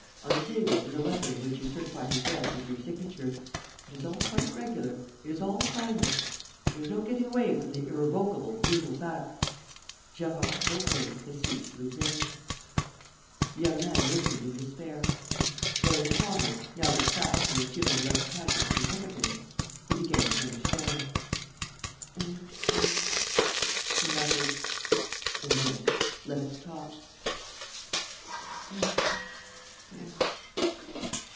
On the table is a letter in which you certify his death with your signature. It is all quite regular, it is all final. There is no getting away from the irrevocable, brutal fact: Gérard Baupré has ceased to exist!" The young man listened in despair. Growing calmer, now that facts were assuming a less tragic significance, he began to understand: "And then ..." he muttered. "And then ... let us talk." "Yes, yes